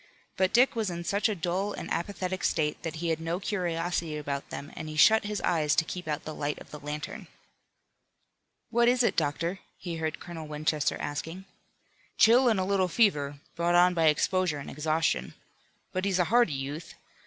But Dick was in such a dull and apathetic state that he had no curiosity about them and he shut his eyes to keep out the light of the lantern. "What is it, doctor?" he heard Colonel Winchester asking. "Chill and a little fever, brought on by exposure and exhaustion. But he's a hardy youth.